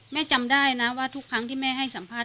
จำได้นะว่าทุกครั้งที่แม่ให้สัมภาษ